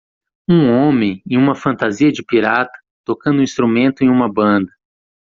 Um homem em uma fantasia de pirata tocando um instrumento em uma banda.